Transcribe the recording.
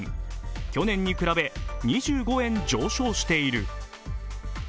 去年に比べ２５円上昇している。